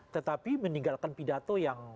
tetapi meninggalkan pidato yang